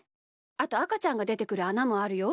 あとあかちゃんがでてくるあなもあるよ。